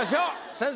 先生！